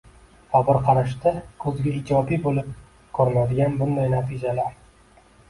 Va bir qarashda ko‘zga ijobiy bo‘lib ko‘ringan bunday natijalar